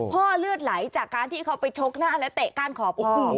เลือดไหลจากการที่เขาไปชกหน้าและเตะก้านขอบโอ้โห